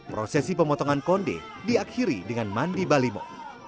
prosesi pemotongan konde diakhiri dengan mandi balimo